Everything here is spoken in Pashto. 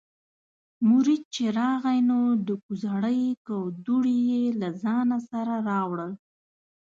مرید چې راغی نو د کوزړۍ کودوړي یې له ځانه سره راوړل.